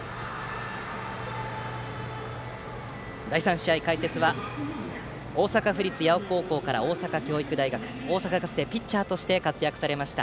第３試合解説は大阪府立八尾高校から大阪教育大学、大阪ガスでピッチャーとして活躍されました